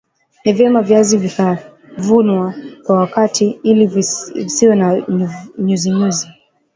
Ni vyema viazi vikavunwa ka wakati ili visiwe na nyuzinyuzi